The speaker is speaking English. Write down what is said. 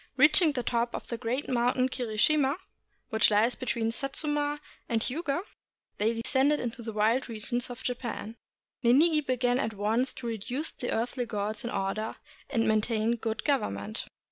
Reaching the top of the great mountain Kirishima, which lies between Satsuma and Hiuga, they descended into the wild regions of Japan. Ninigi began at once to reduce the earthly gods in or der, and maintain good government.